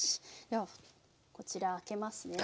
ではこちら開けますね。